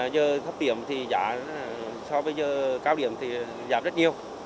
giờ thấp điểm thì giả so với giờ cao điểm thì giả rất nhiều